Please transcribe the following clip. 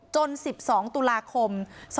จน๑๒ตุลาคม๒๕๖๑